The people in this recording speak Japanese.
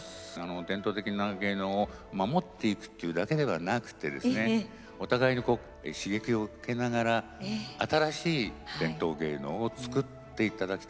伝統的な芸能を守っていくっていうだけではなくてですねお互いにこう刺激を受けながら新しい伝統芸能をつくって頂きたいなと。